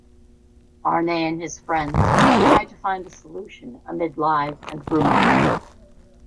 Arne and his friends try to find a solution amid lies and rumours.